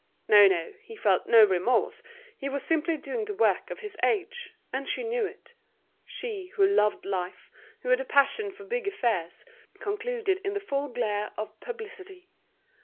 No, no, he felt no remorse, he was simply doing the work of his age, and she knew it; she, who loved life, who had a passion for big affairs, concluded in the full glare of publicity.